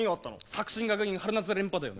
作新学院春夏連覇だよ！